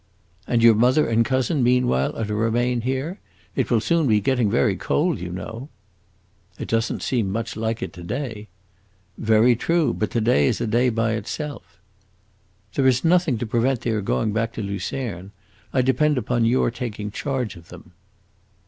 "And your mother and cousin, meanwhile, are to remain here? It will soon be getting very cold, you know." "It does n't seem much like it to day." "Very true; but to day is a day by itself." "There is nothing to prevent their going back to Lucerne. I depend upon your taking charge of them."